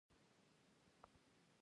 د افغانستان د فوټبال